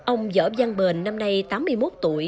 ông võ văn bền năm nay tám mươi một tuổi